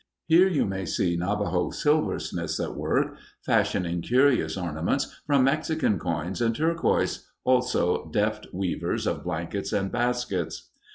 Here you may see Navajo silversmiths at work, fashioning curious ornaments from Mexican coins and turquoise, also deft weavers of blankets and baskets.